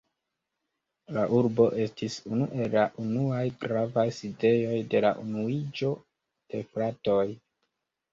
La urbo estis unu el la unuaj gravaj sidejoj de la Unuiĝo de fratoj.